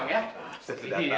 kita harus mendapatkan